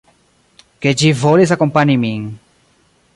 Ke ĝi volis akompani min.